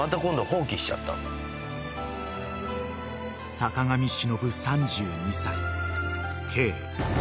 ［坂上忍３２歳］